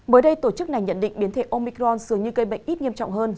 mới đây tổ chức này nhận định biến thể omicron dường như gây bệnh ít nghiêm trọng hơn